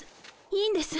いいんです。